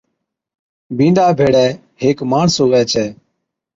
بِينڏا ڀيڙي ھيڪ ماڻس ھُوي ڇَي